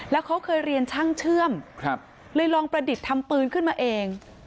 แล้วเขาเคยเรียนช่างเชื่อมเลยลองประดิษฐ์ทำปืนขึ้นมาเอง